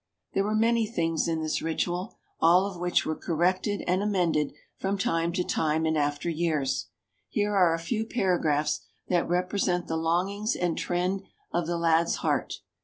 There were many items in this ritual all of which were corrected and amended from time to time in after years. Here are a few paragraphs that represent the longings and trend of the lad's heart.